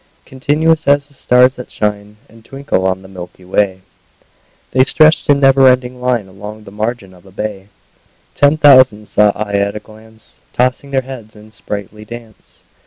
Continuous as the stars that shine And twinkle on the milky way, The stretched in never ending line Along the margin of a bay: Ten thousand saw I at a glance, Tossing their heads in sprightly dance.